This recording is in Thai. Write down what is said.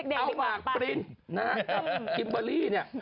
เอาหมากปรินกับคิมเบอร์รี่เนี่ย